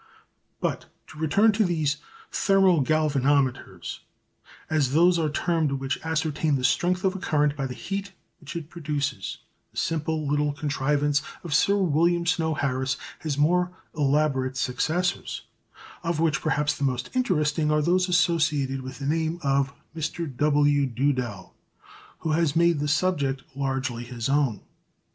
But to return to the thermo galvanometers, as those are termed which ascertain the strength of a current by the heat which it produces, the simple little contrivance of Sir William Snow Harris has more elaborate successors, of which perhaps the most interesting are those associated with the name of Mr W. Duddell, who has made the subject largely his own.